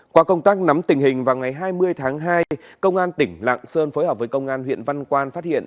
qua công tác nắm tình hình vào ngày hai mươi tháng hai công an tỉnh lạng sơn phối hợp với công an huyện văn quan phát hiện